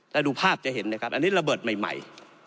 ถ้าดูภาพจะเห็นนะครับอันนี้ระเบิดใหม่